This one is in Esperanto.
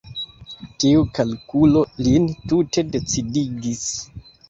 Tiu kalkulo lin tute decidigis.